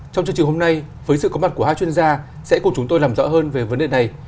trong chương trình hôm nay với sự có mặt của hai chuyên gia sẽ cùng chúng tôi làm rõ hơn về vấn đề này